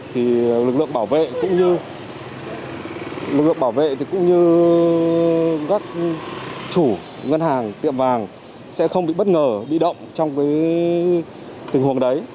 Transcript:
thì lực lượng bảo vệ cũng như các chủ ngân hàng tiệm vàng sẽ không bị bất ngờ bị động trong cái tình huống đấy